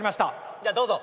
じゃあどうぞ。